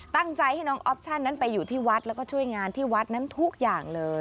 ตั้งใจให้น้องออปชั่นนั้นไปอยู่ที่วัดแล้วก็ช่วยงานที่วัดนั้นทุกอย่างเลย